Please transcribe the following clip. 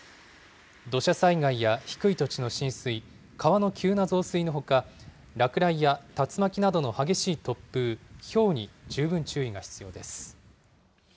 土砂災害や低い土地の浸水、川の急な増水のほか、落雷や竜巻などの激しい突風、ひょうに十分注意が必要です。